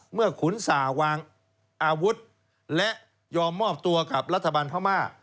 ขุนส่าวางอาวุธและยอมมอบตัวกับรัฐบาลพม่า